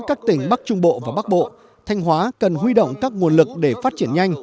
các tỉnh bắc trung bộ và bắc bộ thanh hóa cần huy động các nguồn lực để phát triển nhanh